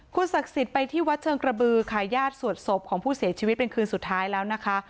คุณศักดิ์สิทธิ์ไปที่วัดเชิงกระบือค่ะญาติสวดศพของผู้เสียชีวิตเป็นคืนสุดท้ายแล้วนะคะ